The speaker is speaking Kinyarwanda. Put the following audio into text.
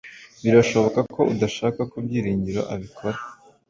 Birashoboka ko udashaka ko Byiringiro abikora.